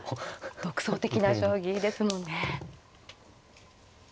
独創的な将棋ですもんね。